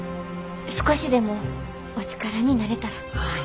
少しでもお力になれたら。